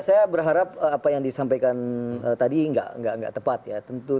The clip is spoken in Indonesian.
saya berharap apa yang disampaikan tadi enggak enggak enggak tepat ya tentu